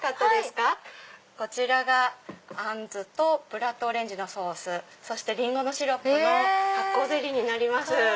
こちらがアンズとブラッドオレンジのソースそしてリンゴのシロップの発酵ゼリーになります。